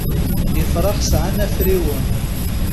Ifrax sεan afriwen.